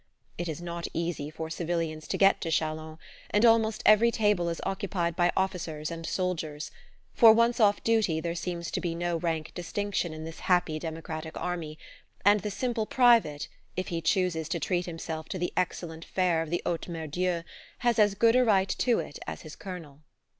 It is not easy for civilians to get to Chalons, and almost every table is occupied by officers and soldiers for, once off duty, there seems to be no rank distinction in this happy democratic army, and the simple private, if he chooses to treat himself to the excellent fare of the Haute Mere Dieu, has as good a right to it as his colonel.